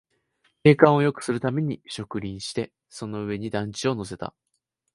景観をよくするために植林して、その上に団地を乗せた